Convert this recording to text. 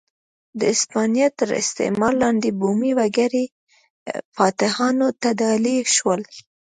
د هسپانیا تر استعمار لاندې بومي وګړي فاتحانو ته ډالۍ شول.